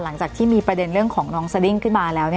หลังจากที่มีประเด็นเรื่องของน้องสดิ้งขึ้นมาแล้ว